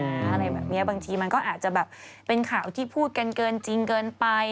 อะไรแบบนี้บางทีมันก็อาจจะแบบเป็นข่าวที่พูดกันเกินจริงเกินไป